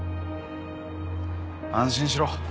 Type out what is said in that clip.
安心しろ。